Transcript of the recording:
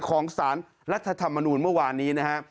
ของสารรัฐธรรมนูลเมื่อวานนี้นะครับ